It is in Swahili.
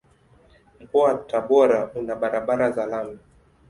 Mkoa wa Tabora una barabara za lami.